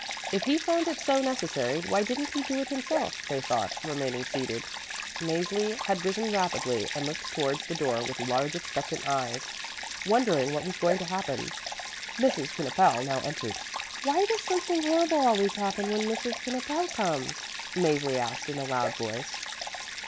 If he found it so necessary, why didn't he do it himself, they thought, remaining seated. Mäzli had risen rapidly and looked towards the door with large expectant eyes, wondering what was going to happen. Mrs. Knippel now entered. "Why does something horrible always happen when Mrs. Knippel comes?" Mäzli asked in a loud voice.